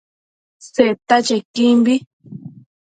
Seta chequimbi